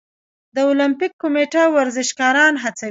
د المپیک کمیټه ورزشکاران هڅوي؟